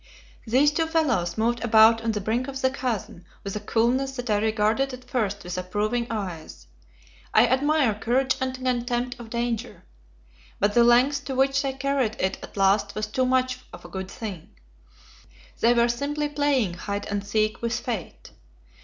These two fellows moved about on the brink of the chasm with a coolness that I regarded at first with approving eyes. I admire courage and contempt for danger. But the length to which they carried it at last was too much of a good thing; they were simply playing hide and seek with Fate.